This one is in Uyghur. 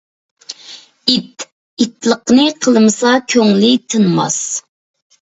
ئىت ئىتلىقىنى قىلمىسا كۆڭلى تىنماس.